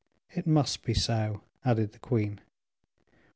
"It must be so," added the queen.